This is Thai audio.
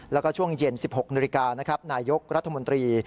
แล้วก็ช่วงเย็น๑๖นาฬิกานะครับนายกรัฐมนตรี